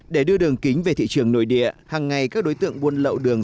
để đưa đường kính về thị trường nội địa hàng ngày các đối tượng buôn lậu đường